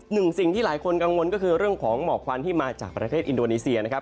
สิ่งที่หลายคนกังวลก็คือเรื่องของหมอกควันที่มาจากประเทศอินโดนีเซียนะครับ